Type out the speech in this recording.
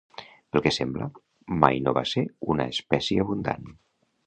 Pel que sembla, mai no va ser una espècie abundant.